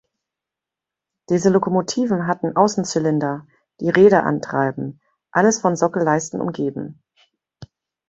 Diese Lokomotiven hatten Außenzylinder, die Räder antreiben; alles von Sockelleisten umgeben.